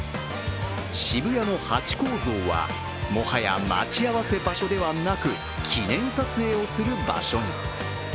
渋谷のハチ公像は、もはや待ち合わせ場所ではなく記念撮影をする場所に。